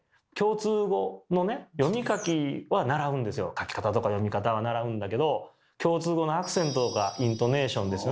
書き方とか読み方は習うんだけど共通語のアクセントとかイントネーションですよね